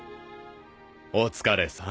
お疲れさん。